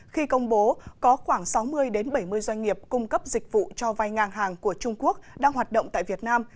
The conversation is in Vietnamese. khi công bố có khoảng sáu mươi bảy mươi doanh nghiệp cung cấp dịch vụ cho vai ngang hàng của trung quốc đang hoạt động tại việt nam